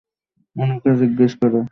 ওনাকে জিজ্ঞেস করো।